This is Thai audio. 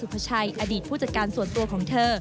มันประเด็นเมาส์ที่ว่าเอซุพชัยอดีตผู้จัดการส่วนตัวของเธอ